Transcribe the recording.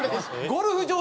ゴルフ場。